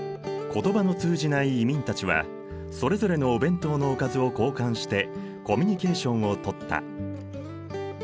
言葉の通じない移民たちはそれぞれのお弁当のおかずを交換してコミュニケーションを取った。